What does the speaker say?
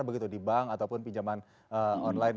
begitu di bank ataupun pinjaman online